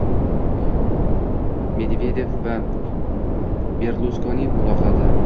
Medvedev va Berluskoni muloqoti